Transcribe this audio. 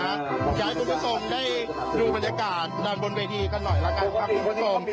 อยากให้คุณผู้ชมได้ดูบรรยากาศด้านบนเวทีกันหน่อยละกันครับคุณผู้ชม